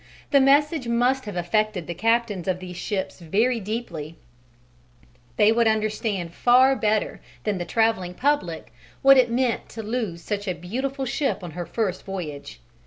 The message must have affected the captains of these ships very deeply: they would understand far better than the travelling public what it meant to lose such a beautiful ship on her first voyage.